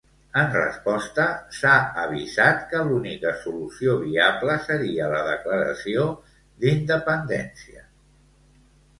En resposta, s'ha avisat que l'única solució viable seria la declaració d'independència.